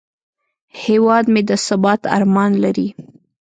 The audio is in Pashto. هیواد مې د ثبات ارمان لري